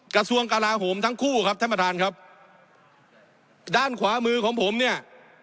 กระทรวงกลาโหมทั้งคู่ครับท่านประธานครับด้านขวามือของผมเนี่ย